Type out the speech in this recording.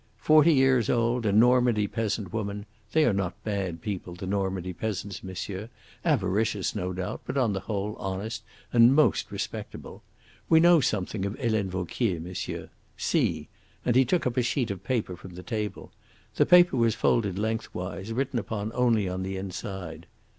Forty years old, a Normandy peasant woman they are not bad people, the Normandy peasants, monsieur avaricious, no doubt, but on the whole honest and most respectable. We know something of Helene Vauquier, monsieur. See!" and he took up a sheet of paper from the table. The paper was folded lengthwise, written upon only on the inside.